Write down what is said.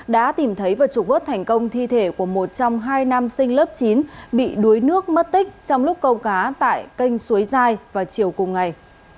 đã tìm thấy và trục vớt thành công thi thể của một trong hai nam sinh lớp chín bị đuối nước mất tích trong lúc câu cá tại kênh suối giai vào chiều cùng ngày